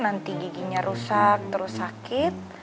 nanti giginya rusak terus sakit